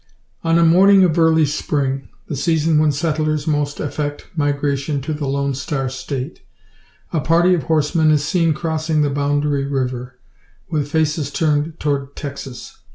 On a morning of early spring the season when settlers most affect migration to the Lone Star State a party of horsemen is seen crossing the boundary river, with faces turned toward Texas.